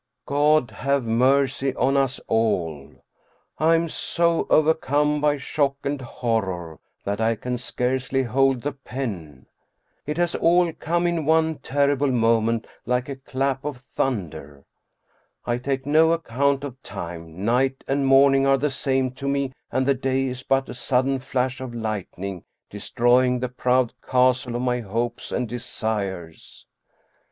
God have mercy on us all ! I am so overcome by shock and horror that I can scarcely hold the pen. It has all come in one terrible moment, like a clap of thunder. I take no account of time, night and morning are the same to me and the day is but a sudden flash of lightning 'de stroying the proud castle of my hopes and desires.